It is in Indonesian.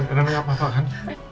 renda emang renda gak apa apa kan